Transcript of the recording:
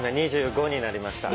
２５になりました。